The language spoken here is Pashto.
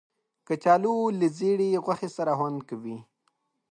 کچالو له زېړې غوښې سره خوند کوي